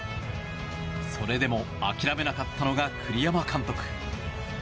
それでも諦めなかったのが栗山監督。